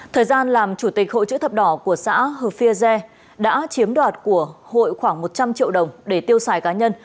thời gian làm chủ tịch hội chữ thập đỏ của xã hờ phi de đã chiếm đoạt của hội khoảng một trăm linh triệu đồng để tiêu xài cá nhân